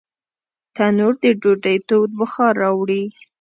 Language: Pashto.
تنور د ډوډۍ تود بخار راوړي